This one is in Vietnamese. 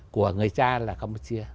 của người cha là campuchia